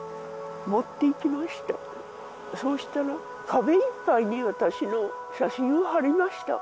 持っていきましたそしたら壁いっぱいに私の写真を貼りました